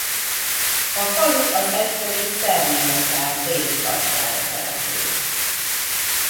A falu az egykori Szernye-mocsár déli partjára települt.